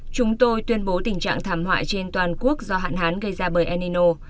chúng tôi tuyên bố tình trạng thảm họa trên toàn quốc do hạn hán gây ra bởi enino